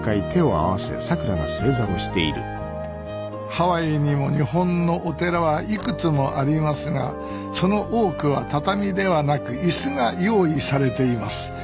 ハワイにも日本のお寺はいくつもありますがその多くは畳ではなく椅子が用意されています。